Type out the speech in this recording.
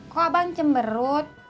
kok abang cemberut